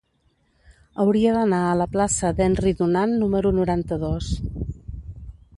Hauria d'anar a la plaça d'Henry Dunant número noranta-dos.